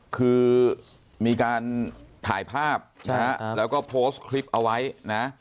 คือมีการถ่ายภาพนะฮะแล้วก็โพสต์คลิปเอาไว้นะ